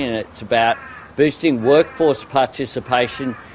dan memperkuat pertunjukan pekerjaan